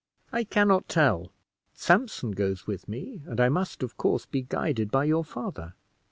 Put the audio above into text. "I can not tell; Sampson goes with me, and I must, of course, be guided by your father.